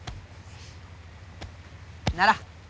なら。